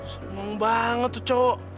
seneng banget tuh cowo